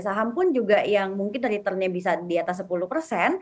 saham pun juga yang mungkin returnnya bisa di atas sepuluh persen